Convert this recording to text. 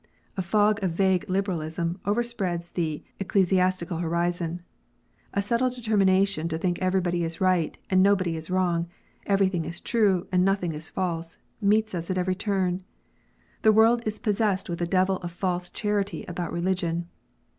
A fog of vague liberalism over spreads the ecclesiastical horizon. A settled determination to think everybody is right, and nobody is wrong, everything is true, and nothing is false, meets us at every turn. The world is possessed with a devil of false charity about religion.